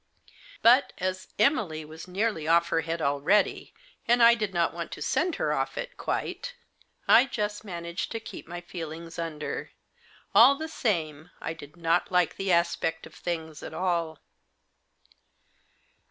But, as Emily was nearly off her head already, and I did not want to send her off it quite, I just managed to keep my feelings under. All the same, I did not like the aspect of things at all.